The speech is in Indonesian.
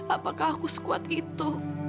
apakah aku sekuat itu